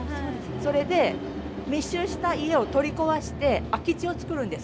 それで密集した家を取り壊して空き地を作るんです。